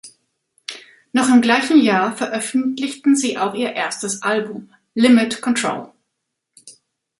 Noch im gleichen Jahr veröffentlichten sie auch ihr erstes Album "Limit Control".